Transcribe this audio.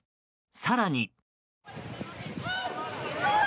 更に。